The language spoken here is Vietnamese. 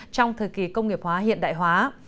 trong thời kỳ công nghiệp hóa hiện đại hóa